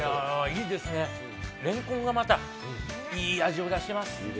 いいですね、れんこんがまたいい味を出してます。